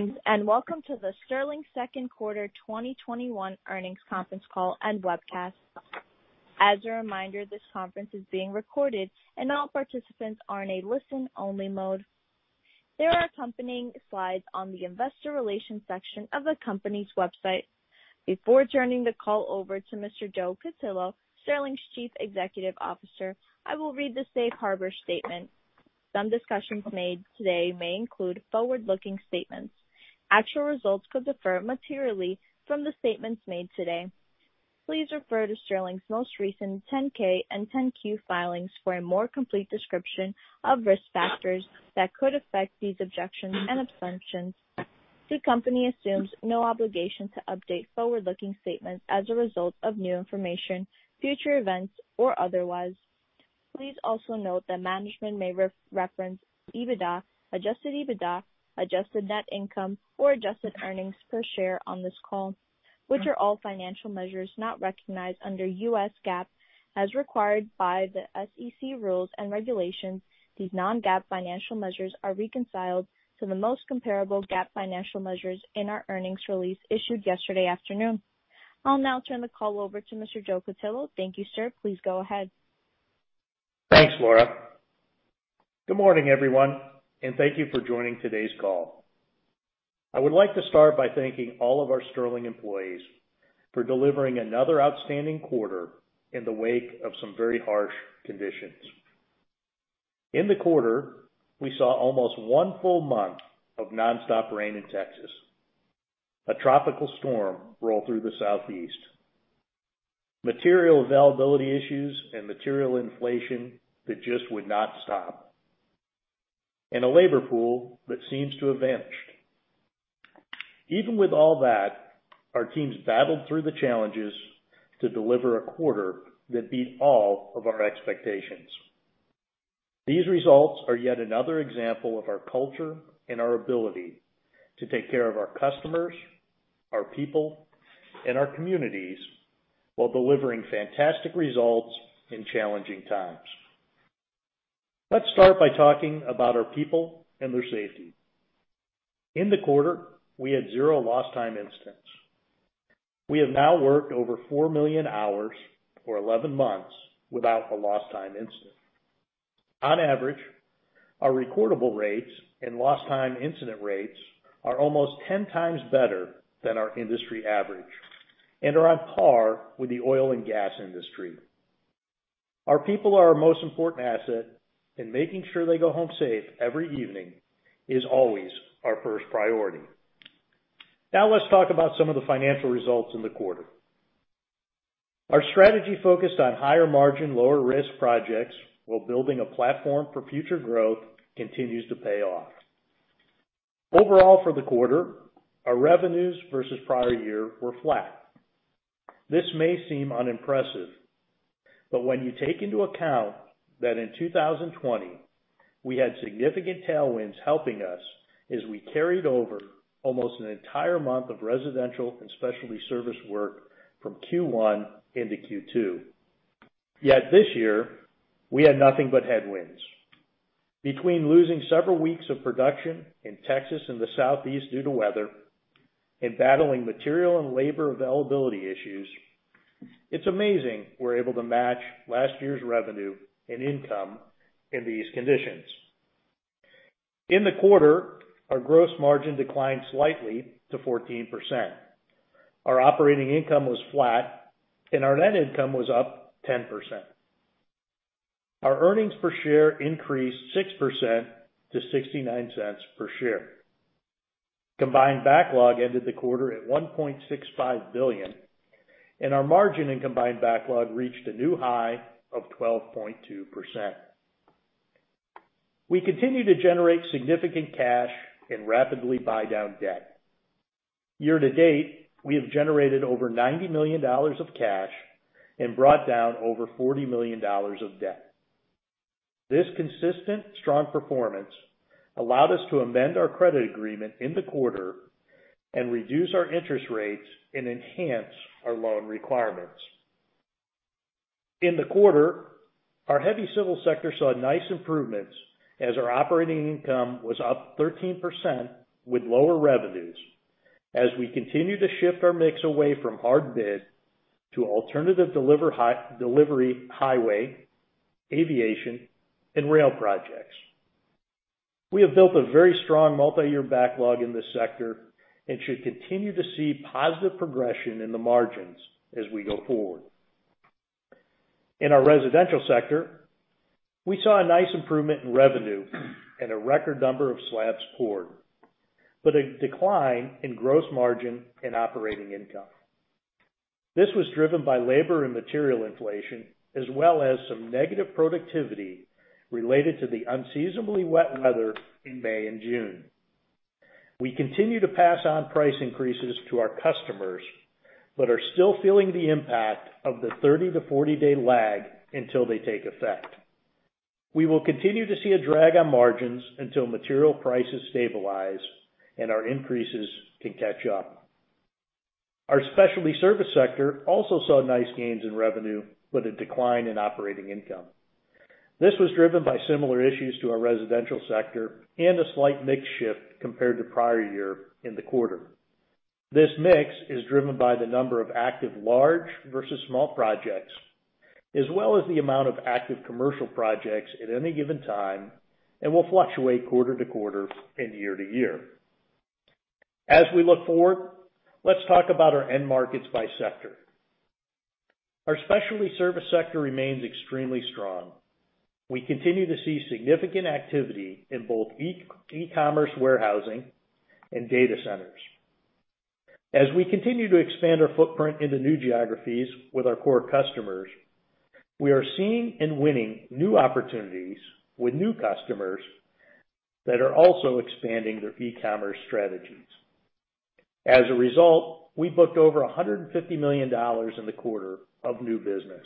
Thanks. Welcome to the Sterling second quarter 2021 earnings conference call and webcast. As a reminder, this conference is being recorded and all participants are in a listen-only mode. There are accompanying slides on the investor relations section of the company's website. Before turning the call over to Mr. Joe Cutillo, Sterling's Chief Executive Officer, I will read the safe harbor statement. Some discussions made today may include forward-looking statements. Actual results could differ materially from the statements made today. Please refer to Sterling's most recent 10-K and 10-Q filings for a more complete description of risk factors that could affect these objections and assumptions. The company assumes no obligation to update forward-looking statements as a result of new information, future events, or otherwise. Please also note that management may reference EBITDA, adjusted EBITDA, adjusted net income, or adjusted earnings per share on this call, which are all financial measures not recognized under US GAAP as required by the SEC rules and regulations. These non-GAAP financial measures are reconciled to the most comparable GAAP financial measures in our earnings release issued yesterday afternoon. I'll now turn the call over to Mr. Joe Cutillo. Thank you, sir. Please go ahead. Thanks, Laura. Good morning, everyone, and thank you for joining today's call. I would like to start by thanking all of our Sterling employees for delivering another outstanding quarter in the wake of some very harsh conditions. In the quarter, we saw almost one full month of nonstop rain in Texas, a tropical storm roll through the Southeast, material availability issues and material inflation that just would not stop, and a labor pool that seems to have vanished. Even with all that, our teams battled through the challenges to deliver a quarter that beat all of our expectations. These results are yet another example of our culture and our ability to take care of our customers, our people, and our communities while delivering fantastic results in challenging times. Let's start by talking about our people and their safety. In the quarter, we had zero lost time incidents. We have now worked over 4 million hours for 11 months without a lost time incident. On average, our recordable rates and lost time incident rates are almost 10 times better than our industry average and are on par with the oil and gas industry. Our people are our most important asset, and making sure they go home safe every evening is always our first priority. Now let's talk about some of the financial results in the quarter. Our strategy focused on higher margin, lower risk projects while building a platform for future growth continues to pay off. Overall for the quarter, our revenues versus prior year were flat. This may seem unimpressive, when you take into account that in 2020, we had significant tailwinds helping us as we carried over almost an entire month of residential and specialty service work from Q1 into Q2. This year, we had nothing but headwinds. Between losing several weeks of production in Texas and the Southeast due to weather and battling material and labor availability issues, it's amazing we're able to match last year's revenue and income in these conditions. In the quarter, our gross margin declined slightly to 14%. Our operating income was flat and our net income was up 10%. Our earnings per share increased 6% to $0.69 per share. Combined backlog ended the quarter at $1.65 billion and our margin in combined backlog reached a new high of 12.2%. We continue to generate significant cash and rapidly buy down debt. Year to date, we have generated over $90 million of cash and brought down over $40 million of debt. This consistent, strong performance allowed us to amend our credit agreement in the quarter and reduce our interest rates and enhance our loan requirements. In the quarter, our heavy civil sector saw nice improvements as our operating income was up 13% with lower revenues as we continue to shift our mix away from hard bid to alternative delivery highway, aviation, and rail projects. We have built a very strong multi-year backlog in this sector and should continue to see positive progression in the margins as we go forward. In our residential sector, we saw a nice improvement in revenue and a record number of slabs poured, but a decline in gross margin and operating income. This was driven by labor and material inflation, as well as some negative productivity related to the unseasonably wet weather in May and June. We continue to pass on price increases to our customers, but are still feeling the impact of the 30-40-day lag until they take effect. We will continue to see a drag on margins until material prices stabilize and our increases can catch up. Our specialty service sector also saw nice gains in revenue with a decline in operating income. This was driven by similar issues to our residential sector and a slight mix shift compared to prior year in the quarter. This mix is driven by the number of active large versus small projects, as well as the amount of active commercial projects at any given time, and will fluctuate quarter to quarter and year to year. As we look forward, let's talk about our end markets by sector. Our specialty service sector remains extremely strong. We continue to see significant activity in both e-commerce warehousing and data centers. As we continue to expand our footprint into new geographies with our core customers, we are seeing and winning new opportunities with new customers that are also expanding their e-commerce strategies. As a result, we booked over $150 million in the quarter of new business.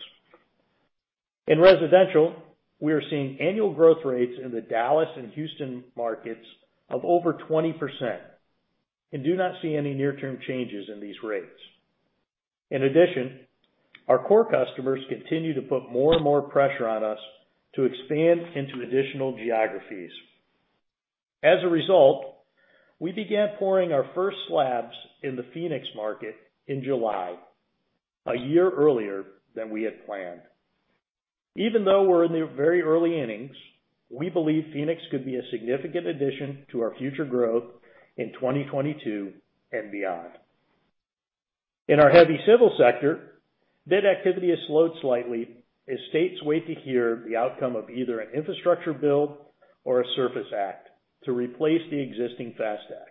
In residential, we are seeing annual growth rates in the Dallas and Houston markets of over 20% and do not see any near-term changes in these rates. In addition, our core customers continue to put more and more pressure on us to expand into additional geographies. As a result, we began pouring our first slabs in the Phoenix market in July, a year earlier than we had planned. Even though we're in the very early innings, we believe Phoenix could be a significant addition to our future growth in 2022 and beyond. In our heavy civil sector, bid activity has slowed slightly as states wait to hear the outcome of either an infrastructure bill or a Surface Act to replace the existing FAST Act.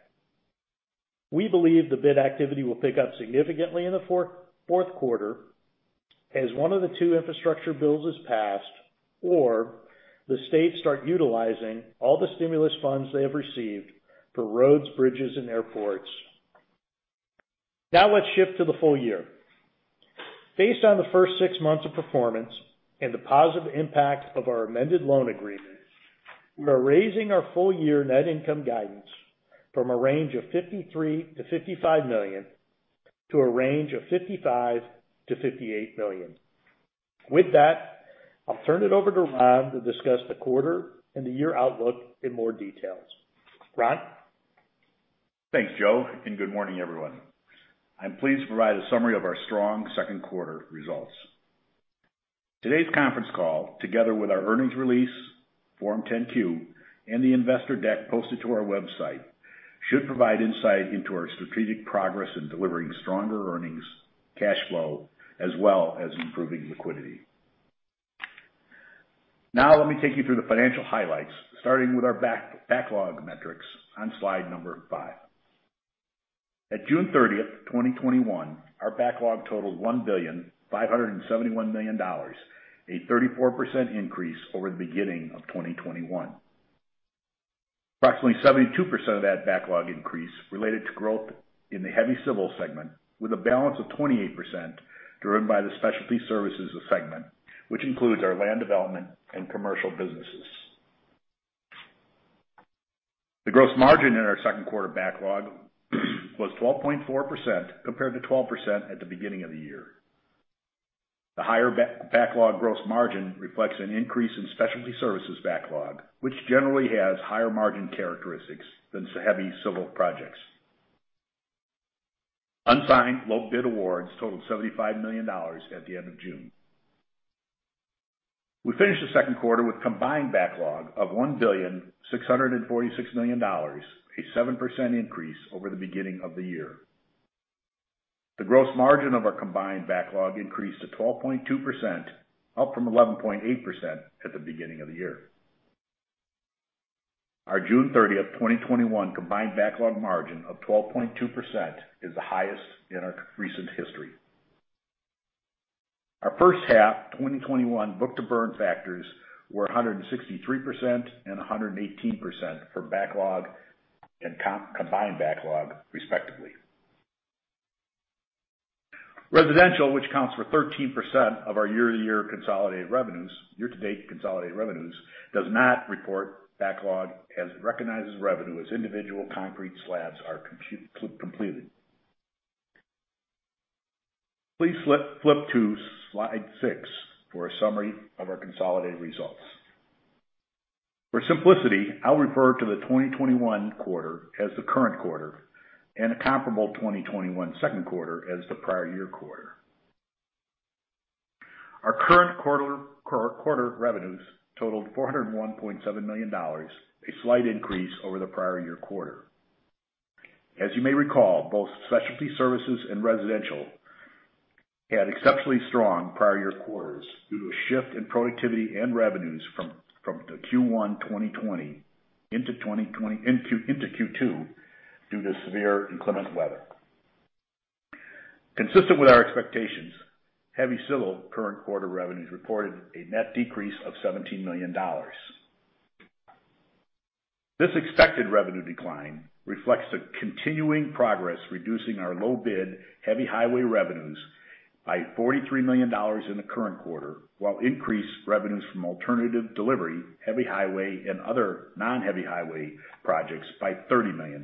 We believe the bid activity will pick up significantly in the fourth quarter as one of the two infrastructure bills is passed, or the states start utilizing all the stimulus funds they have received for roads, bridges, and airports. Let's shift to the full year. Based on the first 6 months of performance and the positive impact of our amended loan agreement, we are raising our full year net income guidance from a range of $53 million-$55 million to a range of $55 million-$58 million. With that, I'll turn it over to Ron to discuss the quarter and the year outlook in more details. Ron? Thanks, Joe, and good morning, everyone. I'm pleased to provide a summary of our strong second quarter results. Today's conference call, together with our earnings release, Form 10-Q, and the investor deck posted to our website, should provide insight into our strategic progress in delivering stronger earnings, cash flow, as well as improving liquidity. Now, let me take you through the financial highlights, starting with our backlog metrics on slide number 5. At June 30th, 2021, our backlog totaled $1,571,000,000, a 34% increase over the beginning of 2021. Approximately 72% of that backlog increase related to growth in the heavy civil segment, with a balance of 28% driven by the specialty services segment, which includes our land development and commercial businesses. The gross margin in our second quarter backlog was 12.4%, compared to 12% at the beginning of the year. The higher backlog gross margin reflects an increase in specialty services backlog, which generally has higher margin characteristics than heavy civil projects. Unsigned low bid awards totaled $75 million at the end of June. We finished the second quarter with combined backlog of $1,646,000,000, a 7% increase over the beginning of the year. The gross margin of our combined backlog increased to 12.2%, up from 11.8% at the beginning of the year. Our June 30th, 2021, combined backlog margin of 12.2% is the highest in our recent history. Our first half 2021 book-to-burn factors were 163% and 118% for backlog and combined backlog respectively. Residential, which counts for 13% of our year to date consolidated revenues, does not report backlog as it recognizes revenue as individual concrete slabs are completed. Please flip to slide 6 for a summary of our consolidated results. For simplicity, I'll refer to the 2021 quarter as the current quarter and the comparable 2021 second quarter as the prior year quarter. Our current quarter revenues totaled $401.7 million, a slight increase over the prior year quarter. As you may recall, both specialty services and residential had exceptionally strong prior year quarters due to a shift in productivity and revenues from the Q1 2020 into Q2 due to severe inclement weather. Consistent with our expectations, heavy civil current quarter revenues reported a net decrease of $17 million. This expected revenue decline reflects the continuing progress reducing our low bid heavy highway revenues by $43 million in the current quarter, while increased revenues from alternative delivery, heavy highway, and other non-heavy highway projects by $30 million.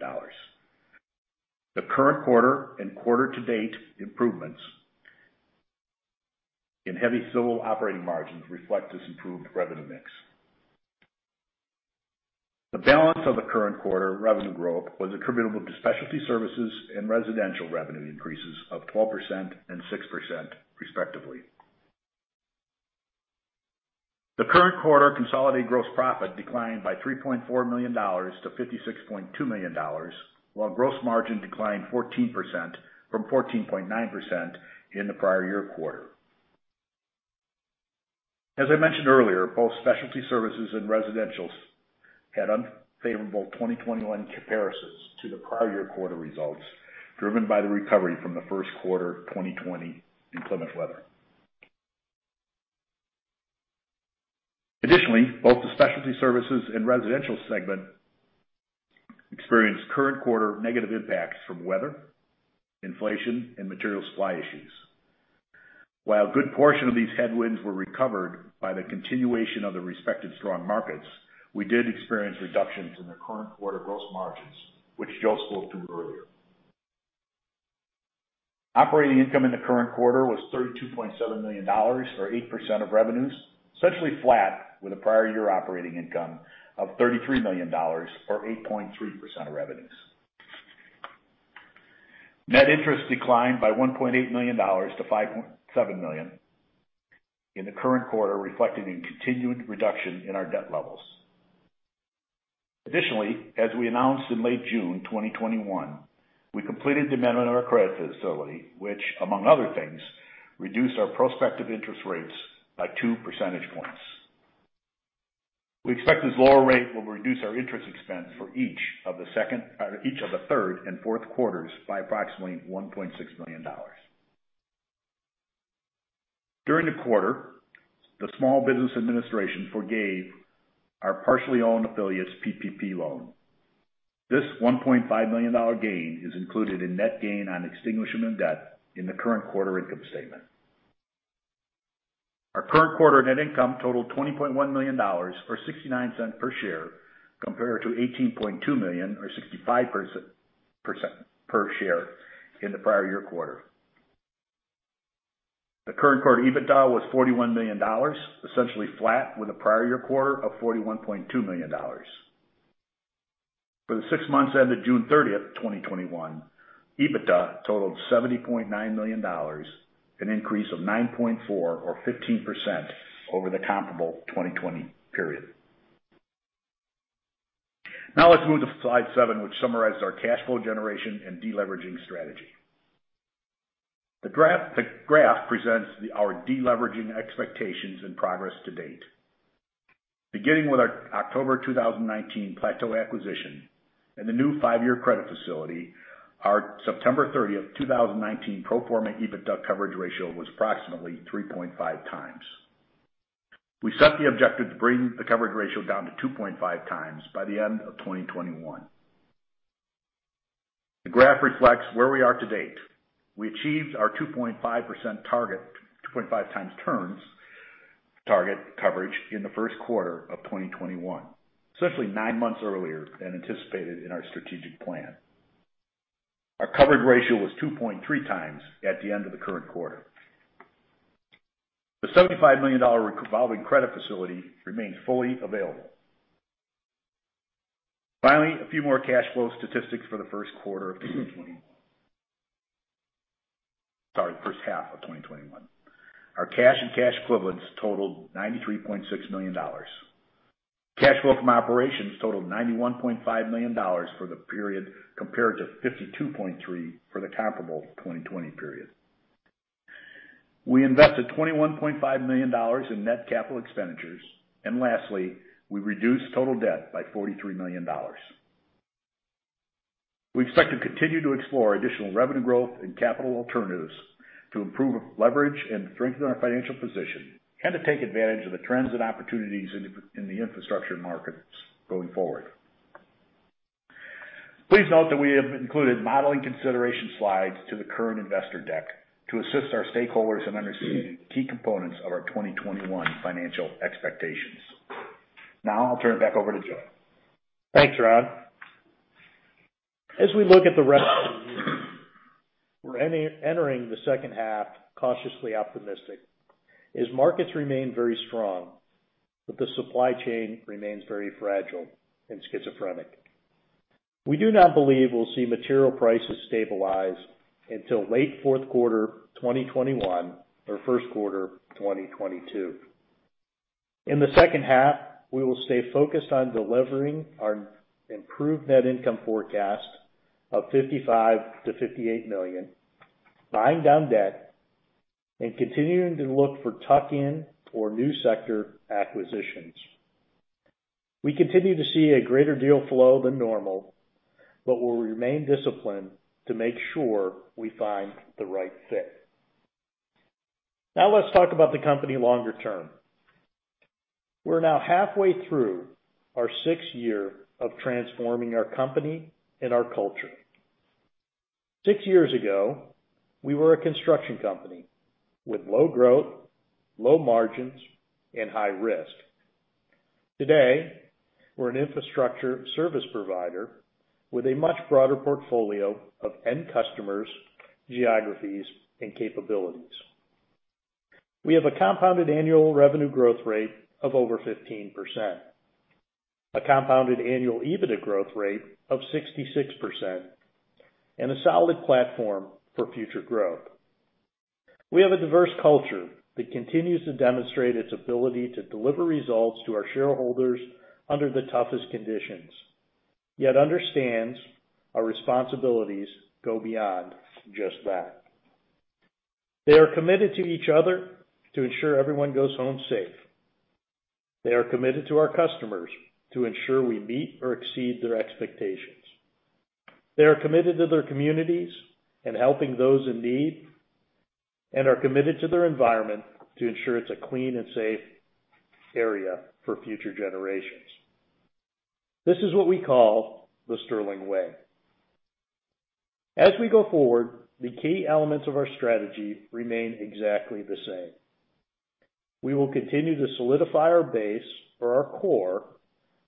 The current quarter and quarter-to-date improvements in heavy civil operating margins reflect this improved revenue mix. The balance of the current quarter revenue growth was attributable to specialty services and residential revenue increases of 12% and 6%, respectively. The current quarter consolidated gross profit declined by $3.4 million to $56.2 million, while gross margin declined 14% from 14.9% in the prior year quarter. As I mentioned earlier, both specialty services and residentials had unfavorable 2021 comparisons to the prior year quarter results, driven by the recovery from the first quarter 2020 inclement weather. Additionally, both the specialty services and residential segment experienced current quarter negative impacts from weather, inflation, and material supply issues. While a good portion of these headwinds were recovered by the continuation of the respective strong markets, we did experience reductions in the current quarter gross margins, which Joe spoke to earlier. Operating income in the current quarter was $32.7 million, or 8% of revenues, essentially flat with the prior year operating income of $33 million, or 8.3% of revenues. Net interest declined by $1.8 million to $5.7 million in the current quarter, reflecting a continued reduction in our debt levels. Additionally, as we announced in late June 2021, we completed the amendment of our credit facility, which, among other things, reduced our prospective interest rates by 2 percentage points. We expect this lower rate will reduce our interest expense for each of the third and fourth quarters by approximately $1.6 million. During the quarter, the Small Business Administration forgave our partially owned affiliate's PPP loan. This $1.5 million gain is included in net gain on extinguishment of debt in the current quarter income statement. Our current quarter net income totaled $20.1 million, or $0.69 per share, compared to $18.2 million or $0.65 per share in the prior year quarter. The current quarter EBITDA was $41 million, essentially flat with the prior year quarter of $41.2 million. For the six months ended June 30th, 2021, EBITDA totaled $70.9 million, an increase of 9.4% or 15% over the comparable 2020 period. Let's move to slide 7, which summarizes our cash flow generation and de-leveraging strategy. The graph presents our de-leveraging expectations and progress to date. Beginning with our October 2019 Plateau acquisition and the new five-year credit facility, our September 30th, 2019 pro forma EBITDA coverage ratio was approximately 3.5 times. We set the objective to bring the coverage ratio down to 2.5 times by the end of 2021. The graph reflects where we are to date. We achieved our 2.5 times turns target coverage in the first quarter of 2021, essentially 9 months earlier than anticipated in our strategic plan. Our coverage ratio was 2.3 times at the end of the current quarter. The $75 million revolving credit facility remains fully available. Finally, a few more cash flow statistics for the first quarter of 2021. Sorry, the first half of 2021. Our cash and cash equivalents totaled $93.6 million. Cash flow from operations totaled $91.5 million for the period, compared to $52.3 million for the comparable 2020 period. We invested $21.5 million in net capital expenditures. Lastly, we reduced total debt by $43 million. We expect to continue to explore additional revenue growth and capital alternatives to improve leverage and strengthen our financial position, and to take advantage of the trends and opportunities in the infrastructure markets going forward. Please note that we have included modeling consideration slides to the current investor deck to assist our stakeholders in understanding key components of our 2021 financial expectations. Now, I'll turn it back over to Joe. Thanks, Ron. As we look at the rest of the year, we're entering the second half cautiously optimistic as markets remain very strong, but the supply chain remains very fragile and schizophrenic. We do not believe we'll see material prices stabilize until late fourth quarter 2021 or first quarter 2022. In the second half, we will stay focused on delivering our improved net income forecast of $55 million to $58 million, buying down debt, and continuing to look for tuck-in or new sector acquisitions. We continue to see a greater deal flow than normal, but we'll remain disciplined to make sure we find the right fit. Now let's talk about the company longer term. We're now halfway through our sixth year of transforming our company and our culture. Six years ago, we were a construction company with low growth, low margins, and high risk. Today, we're an infrastructure service provider with a much broader portfolio of end customers, geographies, and capabilities. We have a compounded annual revenue growth rate of over 15%, a compounded annual EBITDA growth rate of 66%, and a solid platform for future growth. We have a diverse culture that continues to demonstrate its ability to deliver results to our shareholders under the toughest conditions, yet understands our responsibilities go beyond just that. They are committed to each other to ensure everyone goes home safe. They are committed to our customers to ensure we meet or exceed their expectations. They are committed to their communities and helping those in need, and are committed to their environment to ensure it's a clean and safe area for future generations. This is what we call The Sterling Way. As we go forward, the key elements of our strategy remain exactly the same. We will continue to solidify our base or our core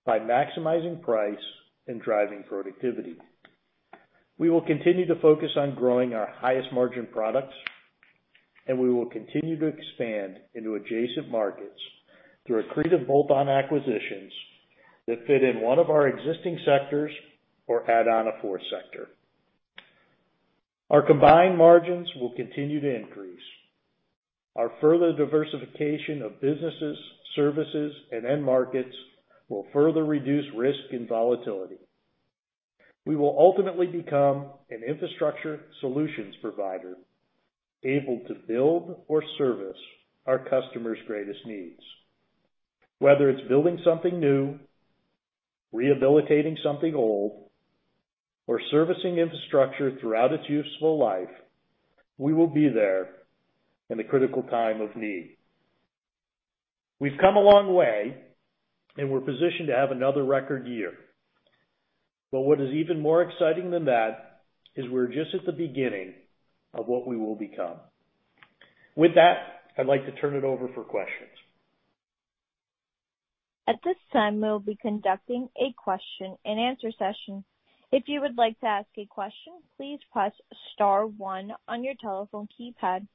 by maximizing price and driving productivity. We will continue to focus on growing our highest margin products, and we will continue to expand into adjacent markets through accretive bolt-on acquisitions that fit in one of our existing sectors or add on a fourth sector. Our combined margins will continue to increase. Our further diversification of businesses, services, and end markets will further reduce risk and volatility. We will ultimately become an infrastructure solutions provider able to build or service our customers' greatest needs. Whether it's building something new, rehabilitating something old, or servicing infrastructure throughout its useful life, we will be there in the critical time of need. We've come a long way, and we're positioned to have another record year. What is even more exciting than that is we're just at the beginning of what we will become. With that, I'd like to turn it over for questions. At this time will be conducting a question and answer session. If you would like to ask a question please press star one on your telephone keypad.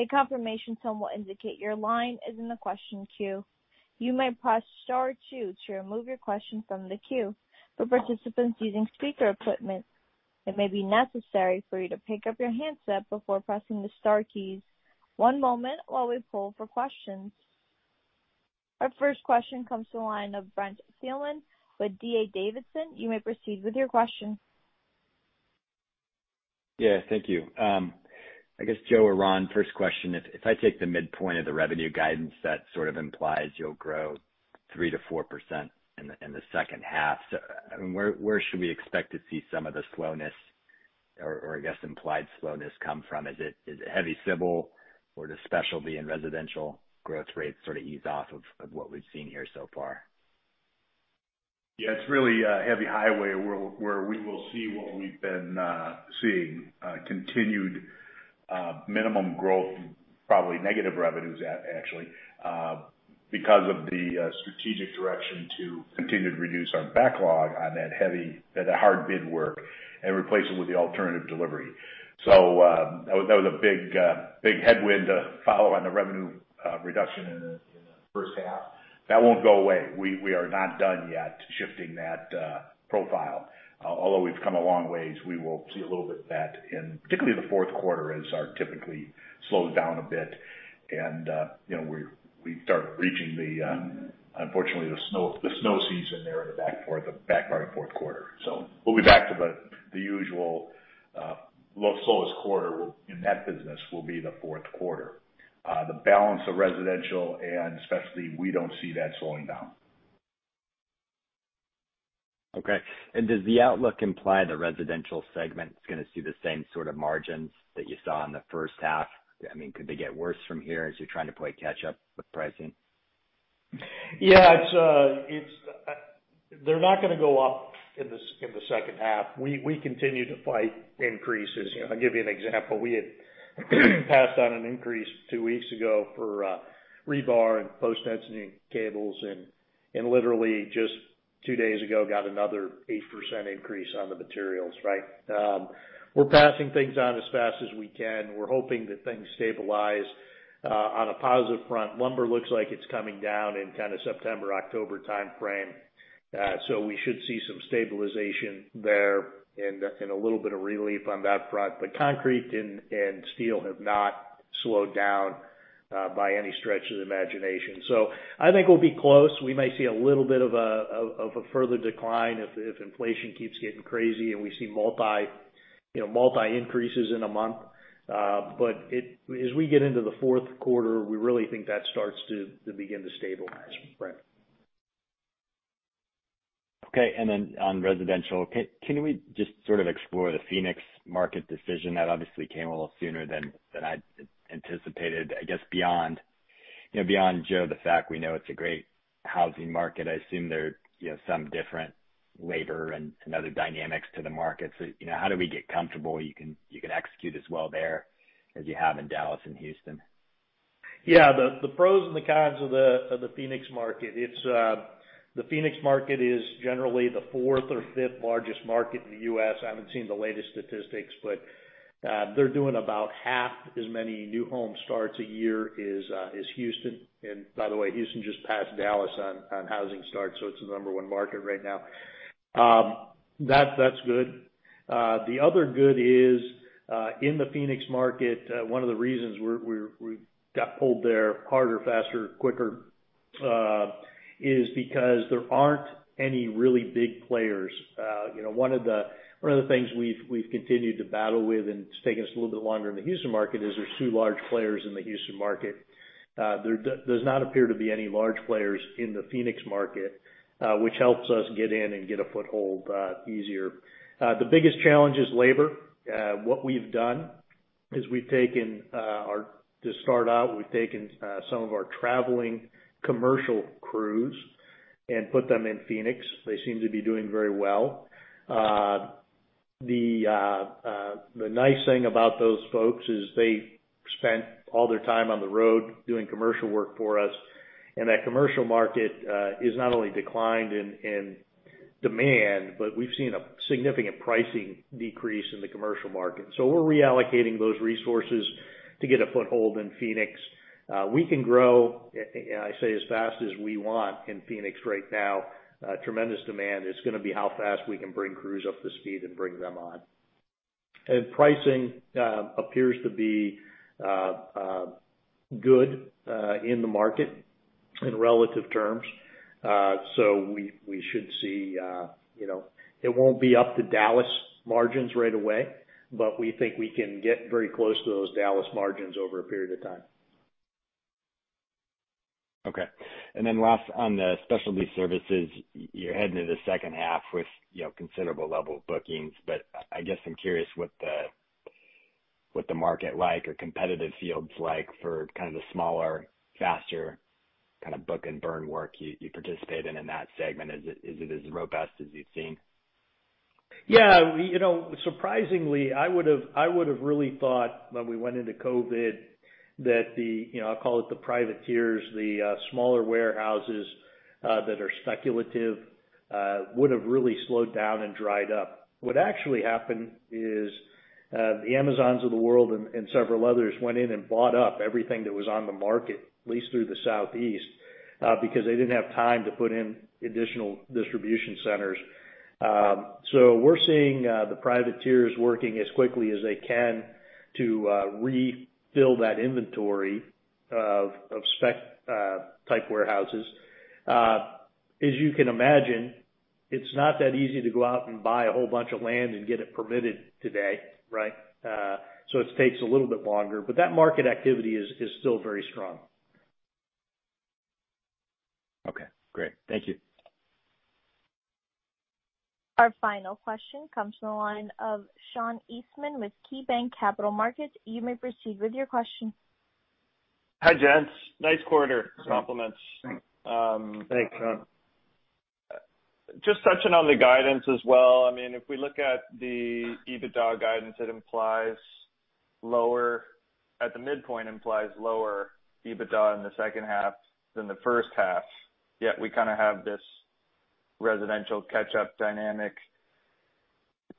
A confirmation to someone indicating your line is in the question queue. You may press star two to remove your question from the queue. All participants using speaker equipment it may be necessary for you to pick up your headset before pressing the star key. One moment always pull for questions. Our first question comes to the line of Brent Thielman with D.A. Davidson. You may proceed with your question. Yeah. Thank you. I guess, Joe or Ron, first question, if I take the midpoint of the revenue guidance, that sort of implies you'll grow 3%-4% in the second half. Where should we expect to see some of the slowness, or I guess, implied slowness come from? Is it heavy civil, or does specialty and residential growth rates sort of ease off of what we've seen here so far? It's really heavy highway where we will see what we've been seeing, continued minimum growth, probably negative revenues actually, because of the strategic direction to continue to reduce our backlog on that heavy, that hard bid work and replace it with the alternative delivery. That was a big headwind to follow on the revenue reduction in the first half. That won't go away. We are not done yet shifting that profile. We've come a long ways, we will see a little bit of that in particularly the fourth quarter as our typically slows down a bit, and we start reaching the, unfortunately, the snow season there in the back part of fourth quarter. We'll be back to the usual slowest quarter in that business will be the fourth quarter. The balance of residential and specialty, we don't see that slowing down. Okay. Does the outlook imply the residential segment is going to see the same sort of margins that you saw in the first half? Could they get worse from here as you're trying to play catch up with pricing? Yeah. They're not going to go up in the second half. We continue to fight increases. I'll give you an example. We had passed on an increase 2 weeks ago for rebar and post-tensioning cables, and literally just 2 days ago, got another 8% increase on the materials, right? We're passing things on as fast as we can. We're hoping that things stabilize. On a positive front, lumber looks like it's coming down in kind of September, October timeframe. We should see some stabilization there and a little bit of relief on that front. Concrete and steel have not slowed down, by any stretch of the imagination. I think we'll be close. We may see a little bit of a further decline if inflation keeps getting crazy and we see multi-increases in a month. As we get into the fourth quarter, we really think that starts to begin to stabilize, Brent. Okay. On residential, can we just explore the Phoenix market decision? That obviously came a little sooner than I'd anticipated. I guess beyond Joe, the fact we know it's a great housing market, I assume there are some different labor and other dynamics to the market. How do we get comfortable you can execute as well there as you have in Dallas and Houston? Yeah. The pros and the cons of the Phoenix market. The Phoenix market is generally the fourth or fifth largest market in the U.S. I haven't seen the latest statistics, they're doing about half as many new home starts a year as Houston. By the way, Houston just passed Dallas on housing starts, so it's the number one market right now. That's good. The other good is, in the Phoenix market, one of the reasons we got pulled there harder, faster, quicker, is because there aren't any really big players. One of the things we've continued to battle with, and it's taking us a little bit longer in the Houston market, is there's two large players in the Houston market. There does not appear to be any large players in the Phoenix market, which helps us get in and get a foothold easier. The biggest challenge is labor. What we've done is, to start out, we've taken some of our traveling commercial crews and put them in Phoenix. They seem to be doing very well. The nice thing about those folks is they spent all their time on the road doing commercial work for us, and that commercial market is not only declined in demand, but we've seen a significant pricing decrease in the commercial market. We're reallocating those resources to get a foothold in Phoenix. We can grow, I say, as fast as we want in Phoenix right now. Tremendous demand. It's going to be how fast we can bring crews up to speed and bring them on. Pricing appears to be good in the market in relative terms. It won't be up to Dallas margins right away, but we think we can get very close to those Dallas margins over a period of time. Okay. Last on the specialty services, you're heading into the second half with considerable level of bookings, I guess I'm curious what the market like or competitive field's like for kind of the smaller, faster kind of book and burn work you participate in in that segment. Is it as robust as you've seen? Yeah. Surprisingly, I would've really thought when we went into COVID that the, I'll call it the private tiers, the smaller warehouses that are speculative, would've really slowed down and dried up. What actually happened is the Amazons of the world and several others went in and bought up everything that was on the market, at least through the Southeast, because they didn't have time to put in additional distribution centers. We're seeing the private tiers working as quickly as they can to refill that inventory of spec-type warehouses. As you can imagine, it's not that easy to go out and buy a whole bunch of land and get it permitted today, right? It takes a little bit longer. That market activity is still very strong. Okay, great. Thank you. Our final question comes from the line of Sean Eastman with KeyBanc Capital Markets. You may proceed with your question. Hi, gents. Nice quarter. Compliments. Thanks. Just touching on the guidance as well. If we look at the EBITDA guidance, at the midpoint, implies lower EBITDA in the second half than the first half, yet we kind of have this residential catch-up dynamic.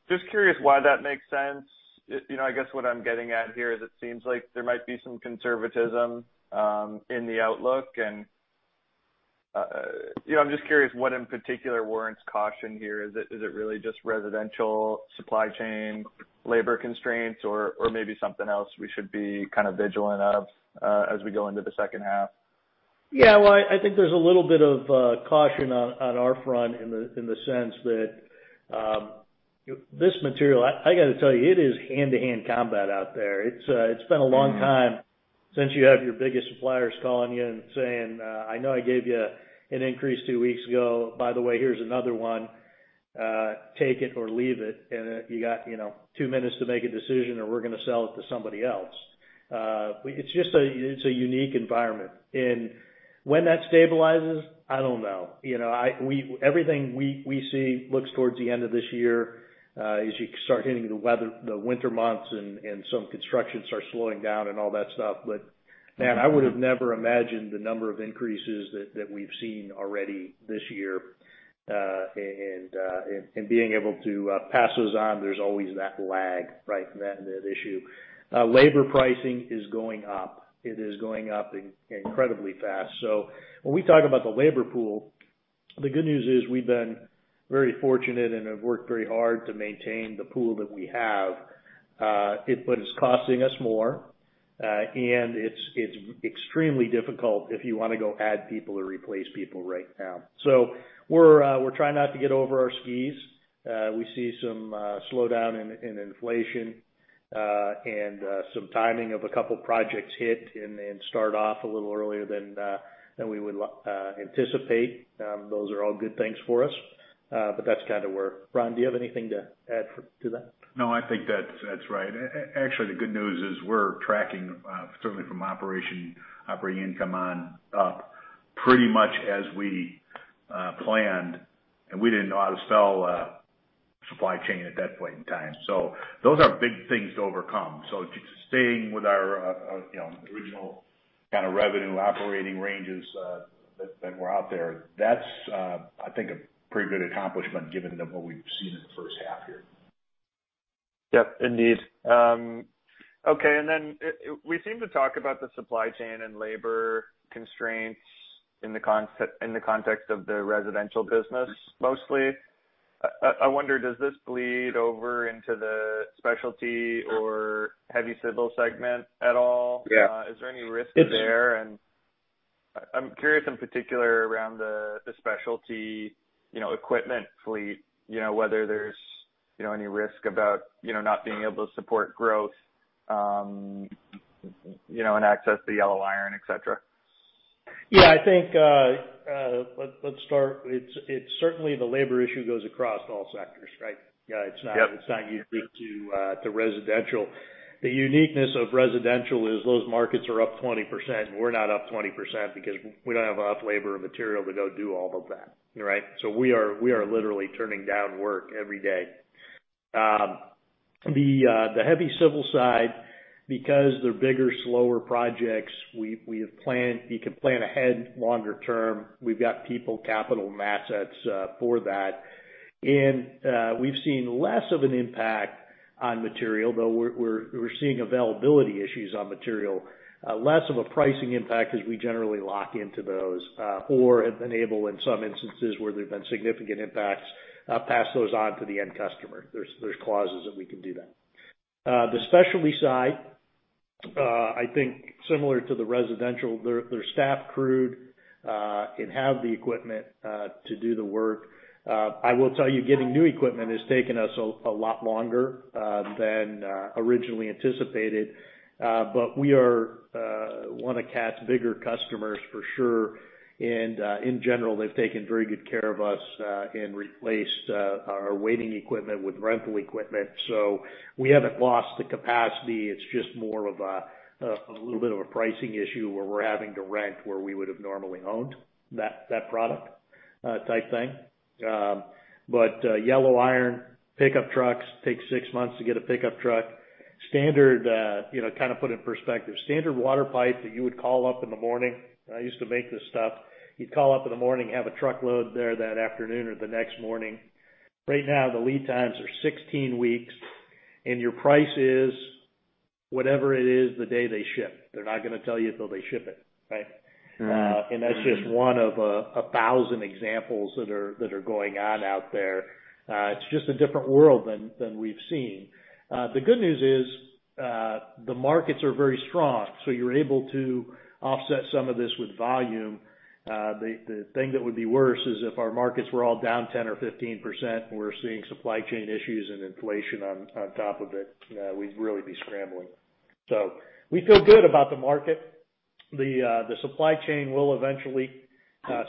Just curious why that makes sense. I guess what I'm getting at here is it seems like there might be some conservatism in the outlook, and I'm just curious what in particular warrants caution here. Is it really just residential supply chain labor constraints or maybe something else we should be kind of vigilant of as we go into the second half? Yeah. Well, I think there's a little bit of caution on our front in the sense that this material, I got to tell you, it is hand-to-hand combat out there. It's been a long time since you have your biggest suppliers calling you and saying, "I know I gave you an increase 2 weeks ago. By the way, here's another 1. Take it or leave it. You got 2 minutes to make a decision or we're going to sell it to somebody else." It's a unique environment. When that stabilizes, I don't know. Everything we see looks towards the end of this year, as you start hitting the winter months and some construction starts slowing down and all that stuff. Man, I would've never imagined the number of increases that we've seen already this year. Being able to pass those on, there's always that lag, right? That issue. Labor pricing is going up. It is going up incredibly fast. When we talk about the labor pool, the good news is we've been very fortunate and have worked very hard to maintain the pool that we have. It's costing us more, and it's extremely difficult if you want to go add people or replace people right now. We're trying not to get over our skis. We see some slowdown in inflation. And some timing of a couple projects hit and start off a little earlier than we would anticipate. Those are all good things for us. That's kind of where. Ron, do you have anything to add to that? No, I think that's right. Actually, the good news is we're tracking, certainly from operating income on up, pretty much as we planned, and we didn't know how to spell supply chain at that point in time. Those are big things to overcome. Just staying with our original kind of revenue operating ranges that were out there, that's, I think, a pretty good accomplishment given what we've seen in the first half here. Yep. Indeed. Okay, then we seem to talk about the supply chain and labor constraints in the context of the residential business mostly. I wonder, does this bleed over into the specialty or heavy civil segment at all? Yeah. Is there any risk there? And I'm curious in particular around the specialty equipment fleet, whether there's any risk about not being able to support growth, and access to yellow iron, et cetera. Yeah, I think, let's start. Certainly the labor issue goes across to all sectors, right? Yep. It's not unique to residential. The uniqueness of residential is those markets are up 20%, and we're not up 20% because we don't have enough labor and material to go do all of that. Right? We are literally turning down work every day. The heavy civil side, because they're bigger, slower projects, you can plan ahead longer term. We've got people, capital, and assets for that. We've seen less of an impact on material, though we're seeing availability issues on material. Less of a pricing impact as we generally lock into those or have been able, in some instances where there's been significant impacts, pass those on to the end customer. There's clauses that we can do that. The specialty side, I think similar to the residential. They're staff crewed and have the equipment to do the work. I will tell you, getting new equipment has taken us a lot longer than originally anticipated. We want to catch bigger customers for sure, and, in general, they've taken very good care of us and replaced our waiting equipment with rental equipment. We haven't lost the capacity. It's just more of a little bit of a pricing issue where we're having to rent where we would've normally owned that product type thing, yellow iron, pickup trucks. Takes 6 months to get a pickup truck. To kind of put it in perspective, standard water pipe that you would call up in the morning. I used to make this stuff. You'd call up in the morning, have a truckload there that afternoon or the next morning. Right now, the lead times are 16 weeks, and your price is whatever it is the day they ship. They're not going to tell you till they ship it. Right? Right. Mm-hmm. That's just one of 1,000 examples that are going on out there. It's just a different world than we've seen. The good news is the markets are very strong, so you're able to offset some of this with volume. The thing that would be worse is if our markets were all down 10 or 15%, and we're seeing supply chain issues and inflation on top of it. We'd really be scrambling. We feel good about the market. The supply chain will eventually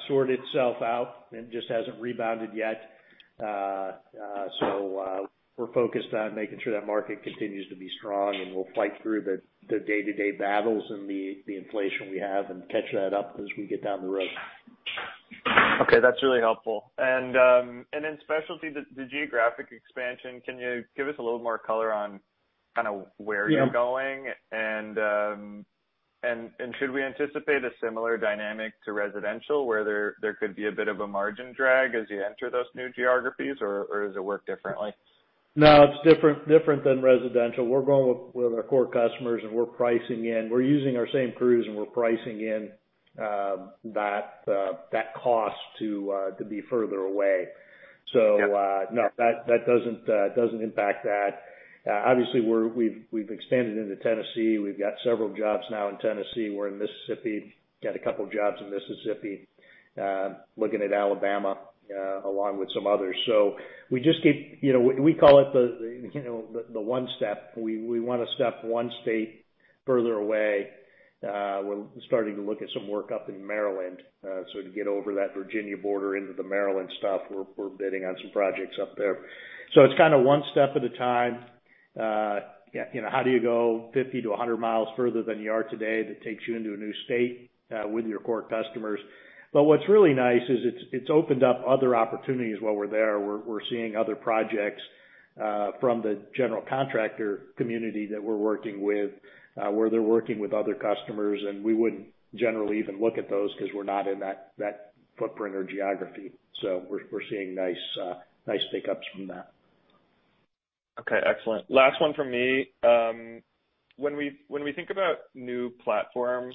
sort itself out and it just hasn't rebounded yet. We're focused on making sure that market continues to be strong, and we'll fight through the day-to-day battles and the inflation we have and catch that up as we get down the road. Okay. That's really helpful. In specialty, the geographic expansion, can you give us a little more color on kind of where you're going? Should we anticipate a similar dynamic to residential where there could be a bit of a margin drag as you enter those new geographies, or does it work differently? No, it's different than residential. We're going with our core customers and we're pricing in, we're using our same crews, and we're pricing in that cost to be further away. Yeah. No. That doesn't impact that. Obviously, we've extended into Tennessee. We've got several jobs now in Tennessee. We're in Mississippi. We've got a couple jobs in Mississippi. We're looking at Alabama, along with some others. We call it the one step. We want to step one state further away. We're starting to look at some work up in Maryland. To get over that Virginia border into the Maryland stuff. We're bidding on some projects up there. It's kind of one step at a time. How do you go 50 to 100 miles further than you are today that takes you into a new state with your core customers? What's really nice is it's opened up other opportunities while we're there. We're seeing other projects from the general contractor community that we're working with, where they're working with other customers, and we wouldn't generally even look at those because we're not in that footprint or geography. We're seeing nice pick-ups from that. Okay. Excellent. Last one from me. When we think about new platform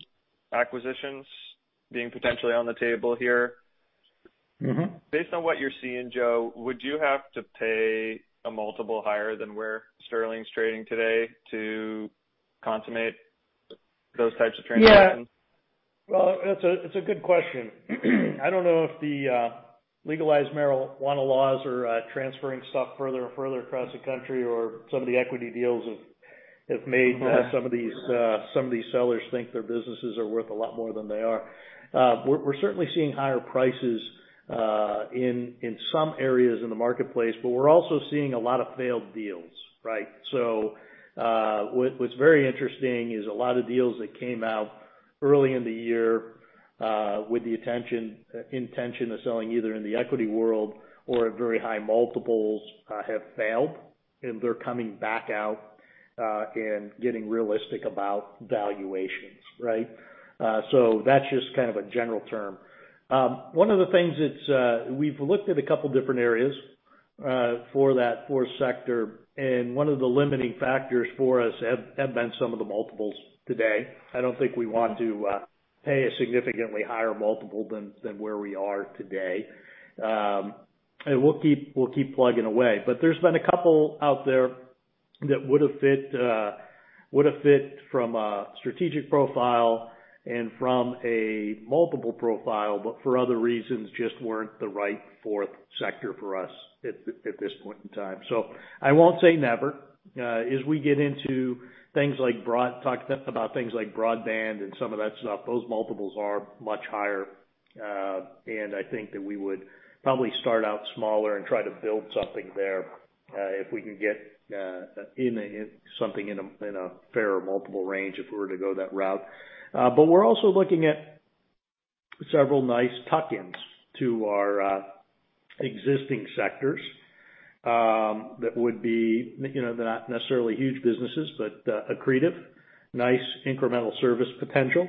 acquisitions being potentially on the table here. Based on what you're seeing, Joe, would you have to pay a multiple higher than where Sterling's trading today to consummate those types of transactions? Well, it's a good question. I don't know if the legalized marijuana laws are transferring stuff further and further across the country, or some of the equity deals have made some of these sellers think their businesses are worth a lot more than they are. We're certainly seeing higher prices in some areas in the marketplace, but we're also seeing a lot of failed deals, right? What's very interesting is a lot of deals that came out early in the year, with the intention of selling either in the equity world or at very high multiples, have failed, and they're coming back out, and getting realistic about valuations, right? That's just kind of a general term. One of the things, we've looked at a couple different areas for that fourth sector, and one of the limiting factors for us have been some of the multiples today. I don't think we want to pay a significantly higher multiple than where we are today. We'll keep plugging away. There's been a couple out there that would've fit from a strategic profile and from a multiple profile, but for other reasons, just weren't the right fourth sector for us at this point in time. I won't say never. As we get into things like broadband and some of that stuff, those multiples are much higher. I think that we would probably start out smaller and try to build something there, if we can get in something in a fair multiple range, if we were to go that route. We're also looking at several nice tuck-ins to our existing sectors, that would be not necessarily huge businesses, but accretive, nice incremental service potential,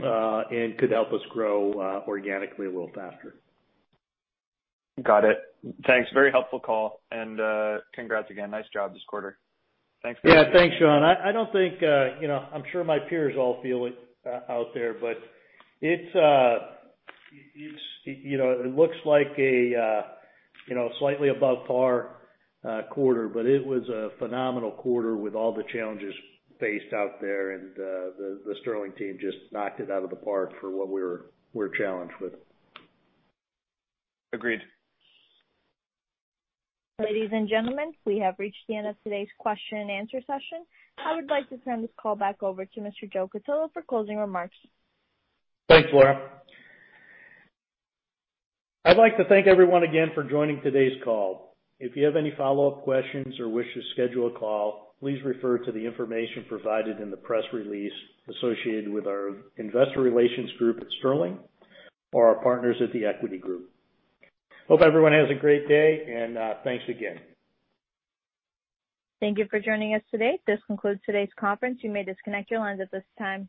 and could help us grow organically a little faster. Got it. Thanks. Very helpful call. Congrats again. Nice job this quarter. Yeah. Thanks, Sean. I don't think I'm sure my peers all feel it out there, but it looks like a slightly above par quarter, but it was a phenomenal quarter with all the challenges faced out there. The Sterling team just knocked it out of the park for what we were challenged with. Agreed. Ladies and gentlemen, we have reached the end of today's question and answer session. I would like to turn this call back over to Mr. Joe Cutillo for closing remarks. Thanks, Laura. I'd like to thank everyone again for joining today's call. If you have any follow-up questions or wish to schedule a call, please refer to the information provided in the press release associated with our investor relations group at Sterling or our partners at The Equity Group. Hope everyone has a great day, and thanks again. Thank you for joining us today. This concludes today's conference. You may disconnect your lines at this time.